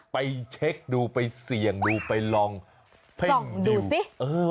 ไปเช็คดูไปเสี่ยงดูไปลองเพ่งดูสิ